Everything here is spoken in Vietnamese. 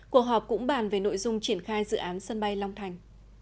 cuộc họp cũng bàn về nội dung triển khai dự án sân bay long thành